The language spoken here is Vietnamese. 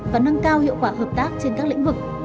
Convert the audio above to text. và nâng cao hiệu quả hợp tác trên các lĩnh vực